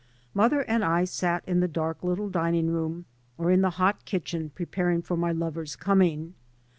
Mother and I sat tn the dark little dining: room or in the hot kitchen preparing for my lover's coming.